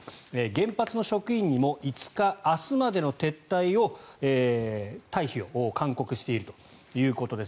原発の職員にも５日、明日までの撤退退避を勧告しているということです。